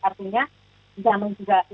artinya tidak menggigap